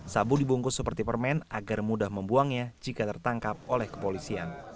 sabu dibungkus seperti permen agar mudah membuangnya jika tertangkap oleh kepolisian